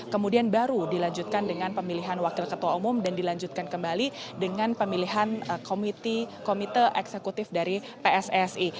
kemudian baru dilanjutkan dengan pemilihan wakil ketua umum dan dilanjutkan kembali dengan pemilihan komite eksekutif dari pssi